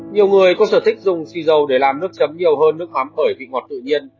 nhiều người có sở thích dùng xì dầu để làm nước chấm nhiều hơn nước mắm bởi vị ngọt tự nhiên